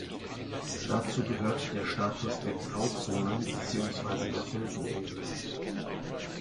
Dazu gehört der Status der "Grauzonen" beziehungsweise der Felseninseln.